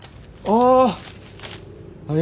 ああ！